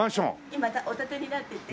今お建てになってて。